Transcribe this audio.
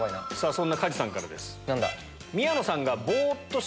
そんな梶さんからです。